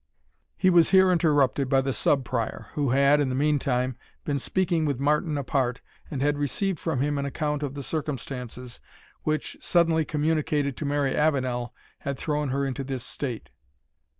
He was here interrupted by the Sub Prior, who had, in the meantime, been speaking with Martin apart, and had received from him an account of the circumstances, which, suddenly communicated to Mary Avenel, had thrown her into this state.